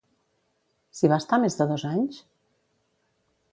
S'hi va estar més de dos anys?